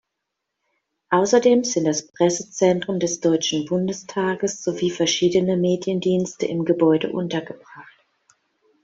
Außerdem sind das Pressezentrum des Deutschen Bundestages sowie verschiedene Mediendienste im Gebäude untergebracht.